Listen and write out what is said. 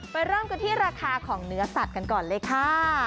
เริ่มกันที่ราคาของเนื้อสัตว์กันก่อนเลยค่ะ